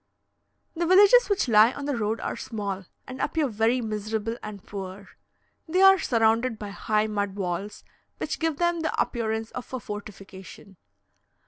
The villages which lie on the road are small, and appear very miserable and poor. They are surrounded by high mud walls, which give them the appearance of a fortification.